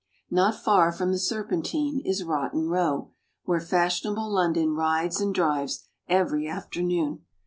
Not far from the Serpentine is Rotten Row, where fash ionable London rides and drives every afternoon.